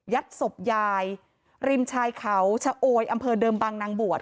ศพยายริมชายเขาชะโอยอำเภอเดิมบางนางบวช